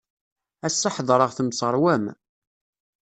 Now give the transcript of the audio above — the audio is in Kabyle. Ass-a ḥedṛeɣ temseṛwam.